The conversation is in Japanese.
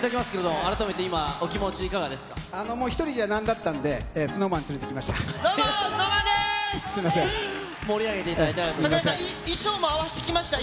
もう１人じゃなんだったんで、ＳｎｏｗＭａｎ、連れてきました。